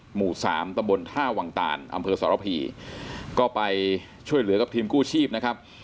หมู่สามตะบนท่าวังตานอำเภอสรพีก็ไปช่วยเหลือกับทีมกู้ชีพนะครับ